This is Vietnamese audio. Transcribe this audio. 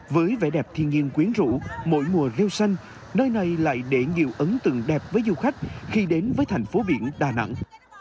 với vẻ đẹp thiên nhiên quyến rũ mỗi mùa rêu xanh nơi này lại để nhiều ấn tượng đẹp với du khách khi đến với thành phố biển đà nẵng